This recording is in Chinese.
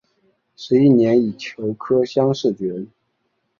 十一年乙酉科乡试举人。